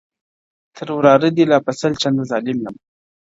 تر وراره دي لا په سل چنده ظالم دئ٫